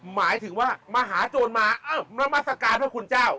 หมายถึงว่ามหาโจรมาเอ้านามัศกาลพระคุณเจ้า